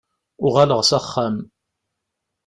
Uɣaleɣ s axxam.